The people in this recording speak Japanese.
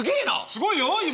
すごいよ今。